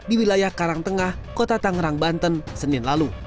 di wilayah karangtengah kota tangerang banten senin lalu